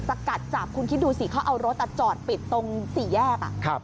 สกัดจับคุณคิดดูสิเขาเอารถจอดปิดตรงสี่แยก